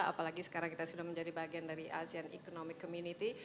apalagi sekarang kita sudah menjadi bagian dari asean economic community